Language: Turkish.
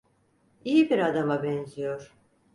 İyi bir adama benziyor.